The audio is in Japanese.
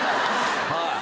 はい。